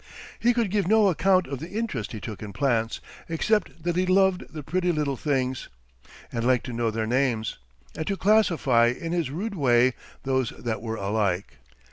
He could give no account of the interest he took in plants, except that he "loved the pretty little things," and liked to know their names, and to classify in his rude way those that were alike.